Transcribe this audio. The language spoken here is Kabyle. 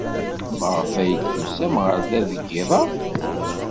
Maɣef ay d-tusam ɣer da deg yiḍ-a?